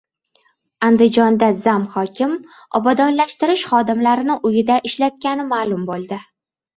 Andijonda "zam hokim" obodonlashtirish xodimlarini uyida ishlatgani ma’lum bo‘ldi